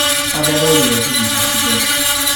大家都以為自己才是對的